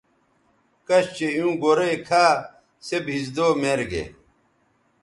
کش چہء ایوں گورئ کھا سے بھیزدو میر گے